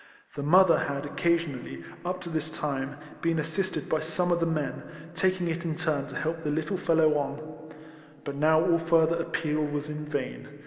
The mother had occasionally, up to this time, been assisted by some of the men, taking it in turn to help the little fellow on ; but now all further appeal was vain.